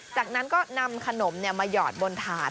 จากนั้นก็นำขนมมาหยอดบนถาด